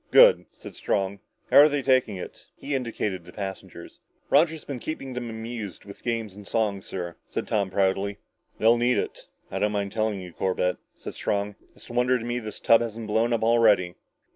"Good," said Strong. "How're they taking it?" He indicated the passengers. "Roger's been keeping them amused with games and songs, sir," said Tom proudly. "They'll need it. I don't mind telling you, Corbett," said Strong, "it's a wonder to me this tub hasn't blown up already."